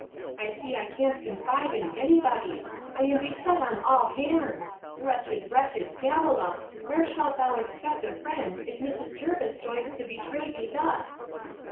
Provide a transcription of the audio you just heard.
—I see I can't confide in any body. I am beset on all hands. Wretched, wretched Pamela, where shalt thou expect a friend, if Mrs. Jervis joins to betray thee thus?